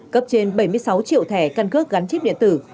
cấp trên bảy mươi sáu triệu thẻ căn cước gắn chip điện tử